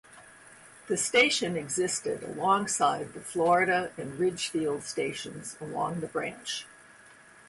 The station existed alongside the Florida and Ridgefield stations along the branch.